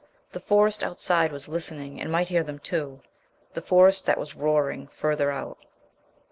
The Forest outside was listening and might hear them too the Forest that was "roaring further out."